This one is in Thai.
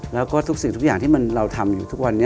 แล้วก็ทุกสิ่งทุกอย่างที่เราทำอยู่ทุกวันนี้